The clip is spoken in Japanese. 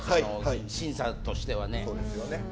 審査としてはね。